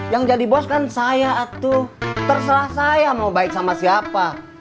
yang jadi bos kan saya itu terserah saya mau baik sama siapa